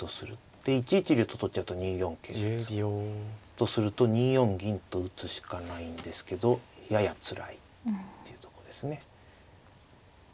で１一竜と取っちゃうと２四桂が詰み。とすると２四銀と打つしかないんですけどややつらい。っていうとこですね。